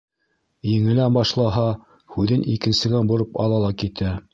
Еңелә башлаһа, һүҙен икенсегә бороп ала ла китә.